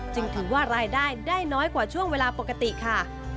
ถือว่ารายได้ได้น้อยกว่าช่วงเวลาปกติค่ะ